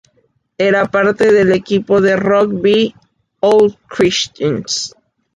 Era parte del equipo de rugby Old Christians.